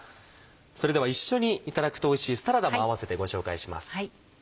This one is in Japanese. それでは一緒にいただくとおいしいサラダも併せてご紹介します。